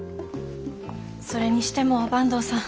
それにしても坂東さん